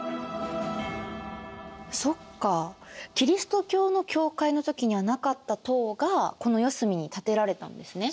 そっかキリスト教の教会の時にはなかった塔がこの四隅に建てられたんですね。